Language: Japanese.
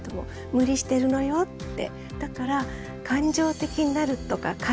無理してるのよって。